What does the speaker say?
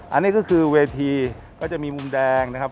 อันนี้ก็คือเวทีก็จะมีมุมแดงนะครับ